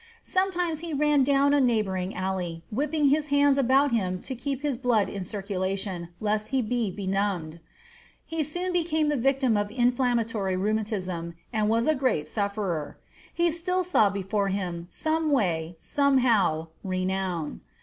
Sometimes he ran down a neighboring alley, whipping his hands about him to keep his blood in circulation, lest he be benumbed. He soon became the victim of inflammatory rheumatism, and was a great sufferer. He still saw before him, someway, somehow, renown.